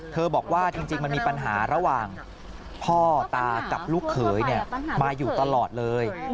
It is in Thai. บอกว่าจริงมันมีปัญหาระหว่างพ่อตากับลูกเขยมาอยู่ตลอดเลย